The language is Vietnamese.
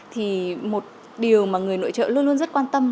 thì một điều mà người nội trợ luôn luôn rất quan tâm